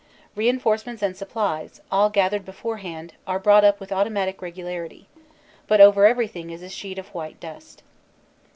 Reinforcements and supplies, all gath ered beforehand, are brought up with automatic regularity; but over everything is a sheet of white dust.